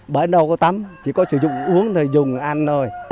bởi đâu có tắm chỉ có sử dụng uống thì dùng ăn thôi